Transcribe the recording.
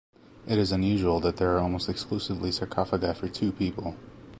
It is unusual that there are almost exclusively sarcophagi for two people.